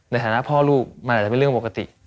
ในฐานะพ่อลูกมันอาจจะเป็นเรื่องปกติ